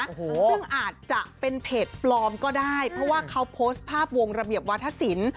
ซึ่งอาจจะเป็นเพจปลอมก็ได้เพราะว่าเขาโพสต์ภาพวงระเบียบวาธศิลป์